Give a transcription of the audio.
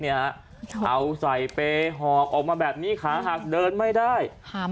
เอาใส่เปรยหอบออกมาแบบนี้ขาหักเดินไม่ได้